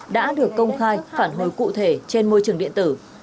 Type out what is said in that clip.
đã được công khai phản hồi cụ thể trên môi trường điện tử